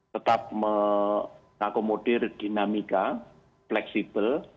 tetap mengakomodir dinamika fleksibel